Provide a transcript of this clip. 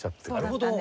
なるほど。